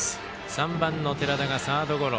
３番の寺田がサードゴロ。